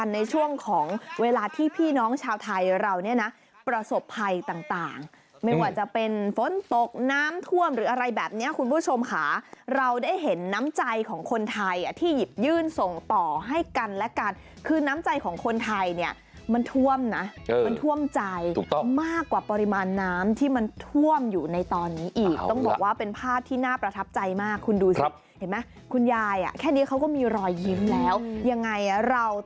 ไม่ว่าจะเป็นฝนตกน้ำท่วมหรืออะไรแบบนี้คุณผู้ชมค่ะเราได้เห็นน้ำใจของคนไทยที่หยิบยื่นส่งต่อให้กันและกันคือน้ำใจของคนไทยเนี่ยมันท่วมนะมันท่วมใจมากกว่าปริมาณน้ำที่มันท่วมอยู่ในตอนนี้อีกต้องบอกว่าเป็นภาพที่น่าประทับใจมากคุณดูสิเห็นไหมคุณยายแค่นี้เขาก็มีรอยยิ้มแล้วยังไงเรา